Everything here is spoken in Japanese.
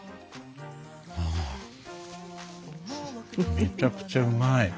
めちゃくちゃうまい。